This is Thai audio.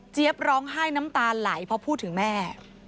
ร้องไห้น้ำตาไหลเพราะพูดถึงแม่